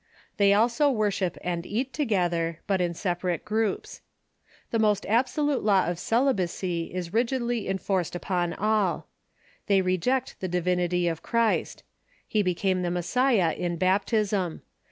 They also worship and eat together, but in separate groups. The most absolute law of celibacy is rig idly enfoi'ced upon all. They reject the divinity of Christ. He became the Messiah in baptism.